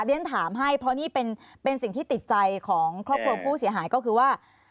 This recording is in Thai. เรียนถามให้เพราะนี่เป็นสิ่งที่ติดใจของครอบครัวผู้เสียหายก็คือว่า